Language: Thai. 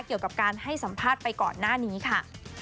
เกี่ยวกับการให้สัมภาษณ์ไปก่อนหน้านี้ค่ะ